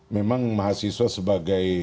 memang mahasiswa sebagai